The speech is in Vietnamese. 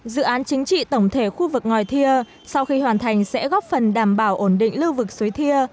dự án chính trị tổng thể khu vực ngòi thia sau khi hoàn thành sẽ góp phần đảm bảo ổn định lưu vực suối thia